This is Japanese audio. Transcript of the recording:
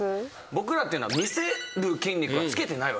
僕らっていうのは見せる筋肉はつけてないわけですよ。